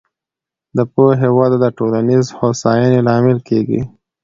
د پوهې وده د ټولنیزې هوساینې لامل کېږي.